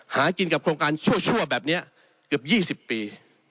หากินกับโครงการชั่วแบบนี้เกือบ๒๐ปี